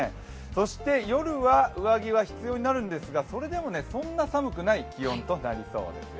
そして夜は上着は必要になるんですがそれでもそんな寒くない気温となりそうですよ。